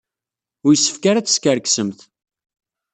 Ur yessefk ara ad teskerksemt.